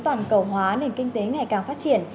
toàn cầu hóa nền kinh tế ngày càng phát triển